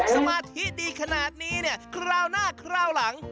สมาธิดีขนาดนี้เนี่ยคราวหน้าคราวหลัง